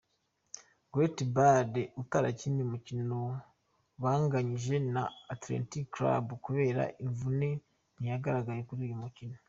Gareth Bale utarakinnye umukino banganyije na Athletic Club kubera imvune ntiyagaragaye kuri uyu mukino.